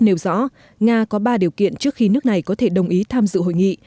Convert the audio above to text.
nêu rõ nga có ba điều kiện trước khi nước này có thể đồng ý tham dự hội nghị